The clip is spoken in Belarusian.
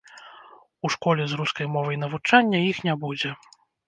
У школе з рускай мовай навучання іх не будзе.